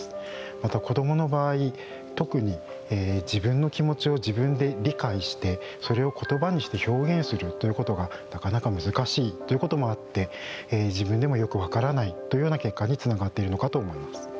また子どもの場合特に自分の気持ちを自分で理解してそれを言葉にして表現するということがなかなか難しいということもあって自分でもよくわからないというような結果につながっているのかと思います。